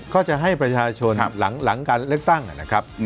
ก็จะให้ประชาชนหลังการเลือกตั้งนะครับ